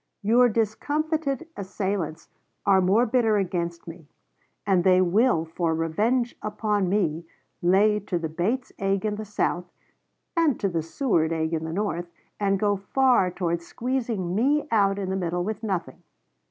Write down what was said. Your discomfited assailants are most bitter against me; and they will for revenge upon me, lay to the Bates egg in the South, and to the Seward egg in the North, and go far towards squeezing me out in the middle with nothing.